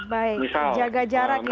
baik jaga jarak ya